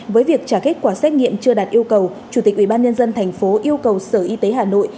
với việc trả kết quả xét nghiệm chưa đạt yêu cầu chủ tịch ubnd tp yêu cầu sở y tế hà nội